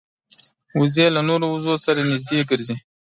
وزې له نورو وزو سره نږدې ګرځي